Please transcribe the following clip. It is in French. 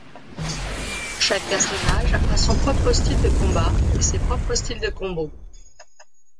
Chaque personnage a son propre style de combat et ses propres styles de combos.